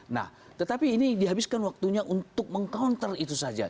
nah tetapi ini dihabiskan waktunya untuk meng counter itu saja